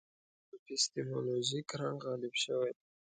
اپیستیمولوژیک رنګ غالب شوی.